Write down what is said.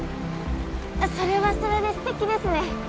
それはそれで素敵ですね。